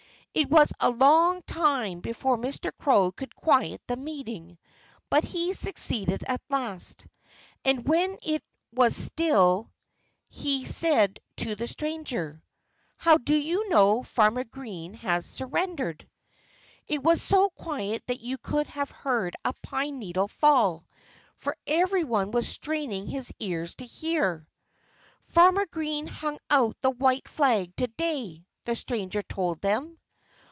It was a long time before old Mr. Crow could quiet the meeting. But he succeeded at last. And when it was still he said to the stranger: "How do you know Farmer Green has surrendered?" It was so quiet that you could have heard a pine needle fall, for everyone was straining his ears to hear. "Farmer Green hung out the white flag to day!" the stranger told them.